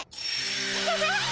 アハハッ！